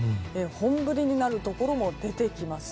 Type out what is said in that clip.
本降りになるところも出てきます。